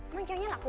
emang ceweknya laku